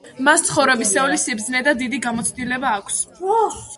მას ცხოვრებისეული სიბრძნე და დიდი გამოცდილება აქვს.